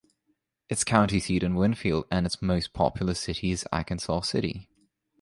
Its county seat is Winfield, and its most populous city is Arkansas City.